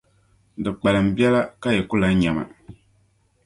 Di kpalim biɛla ka yi ku lan nya ma.